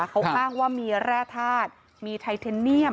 เขาอ้างว่ามีแร่ธาตุมีไทเทนเนียม